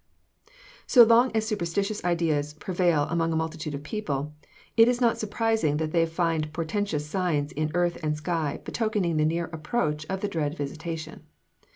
So long as superstitious ideas prevail among a multitude of people, it is not surprising that they find portentous signs in earth and sky betokening the near approach of the dread visitation.